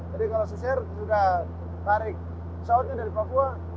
jadi kalau susier sudah tarik pesawatnya dari papua